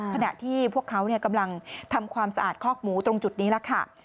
ขณะที่พวกเขากำลังทำความสะอาดคอกหมูตรงจุดนี้แล้วค่ะ